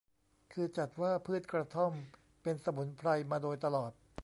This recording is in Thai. คือจัดว่าพืชกระท่อมเป็นสมุนไพรมาโดยตลอด